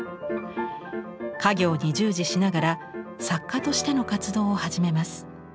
家業に従事しながら作家としての活動を始めます。